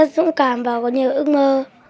rất dũng cảm và có nhiều ước mơ